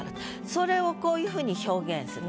それをこういうふうに表現する。